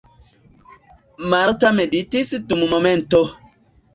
Marta meditis dum momento.